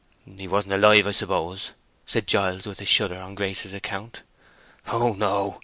"He wasn't alive, I suppose?" said Giles, with a shudder on Grace's account. "Oh no.